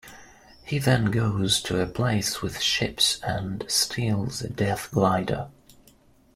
He then goes to a place with ships and steals a Death glider.